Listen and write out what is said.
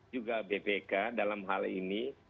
juga bpk dalam hal ini